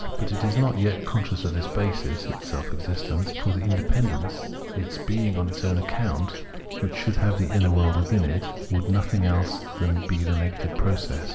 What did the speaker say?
But it is not yet con scious of this basis [its self existence], for the independ ence, its being on its own account, v/hich should have the inner world within it, would be nothing else than the negative process.